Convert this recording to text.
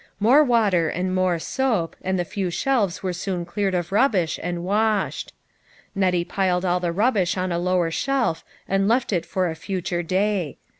More water and more soap, and the few shelves were soon cleared of rubbish, and washed. Nettie piled all the rubbish on a lower shelf and left it for a future day.